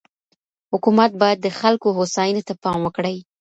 حکومت باید د خلګو هوساینې ته پام وکړي.